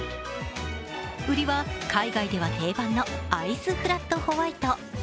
売りは海外では定番のアイスフラットホワイト。